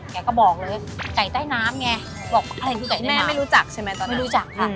แกก็บอกเลยไก่ใต้น้ำไงบอกอะไรคือไก่แม่ไม่รู้จักใช่ไหมตอนนี้รู้จักค่ะ